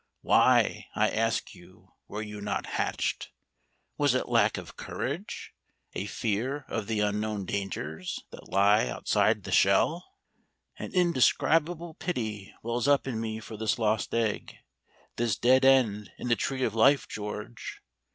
Why, I ask you, were you not hatched? Was it lack of courage? a fear of the unknown dangers that lie outside the shell? "An indescribable pity wells up in me for this lost egg, this dead end in the tree of life, George.